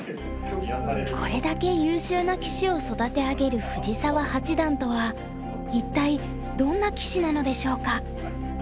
これだけ優秀な棋士を育て上げる藤澤八段とは一体どんな棋士なのでしょうか？